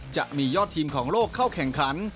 จะมียอดทีมของโลกเข้าแข่งขัน